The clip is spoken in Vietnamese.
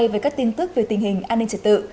với các tin tức về tình hình an ninh trật tự